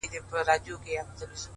• او پیسې یې ترلاسه کولې -